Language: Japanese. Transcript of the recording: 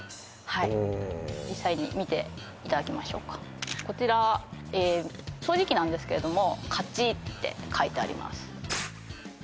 うん実際に見ていただきましょうかこちら掃除機なんですけれどもカチッてかいてあります